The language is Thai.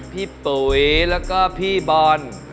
พี่โปวีดแล้วก็พี่บอน